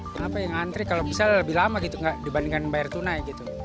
kenapa yang antri kalau bisa lebih lama gitu dibandingkan bayar tunai gitu